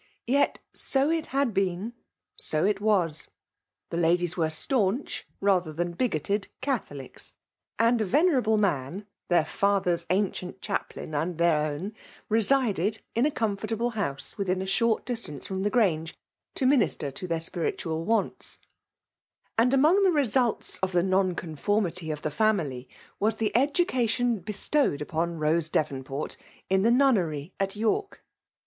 Yet so it had been, so it was, the ladies were staiuich, rather than b^ted. Ca tholics ; and a venerable man, their father's ancient chaplain and their own, resided iii a comfiartable house within a short distance from the Grange, to minister to their spiritual wants; and cunong the results of the non conformity of the family, was the education bestowed upon Rose Devonport in the nun nery at York.